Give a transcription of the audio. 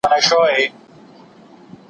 ترکيه يې د بالکان له سيمې واېستله.